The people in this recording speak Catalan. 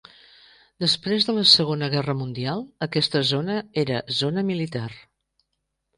Després de la Segona Guerra Mundial aquesta zona era zona militar.